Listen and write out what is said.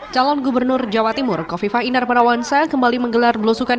calon gubernur jawa timur kofifa indar parawansa kembali menggelar belusukan